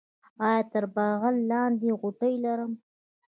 ایا تر بغل لاندې غوټې لرئ؟